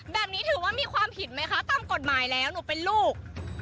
แบบนี้ถือว่ามีความผิดไหมคะตามกฎหมายแล้วหนูเป็นลูก